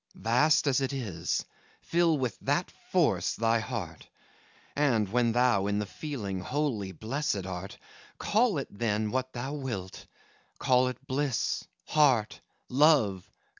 Vast as it is, fill with that force thy heart, And when thou in the feeling wholly blessed art, Call it, then, what thou wilt, Call it Bliss! Heart! Love!